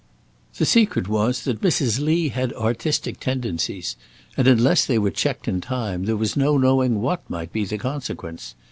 The secret was that Mrs. Lee had artistic tendencies, and unless they were checked in time, there was no knowing what might be the consequence.